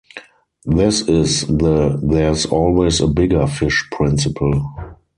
This is the There’s-always-a-bigger-fish principle.